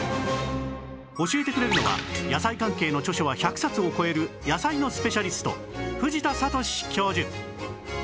教えてくれるのは野菜関係の著書は１００冊を超える野菜のスペシャリスト藤田智教授